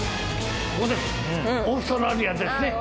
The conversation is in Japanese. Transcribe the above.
オーストラリアですね。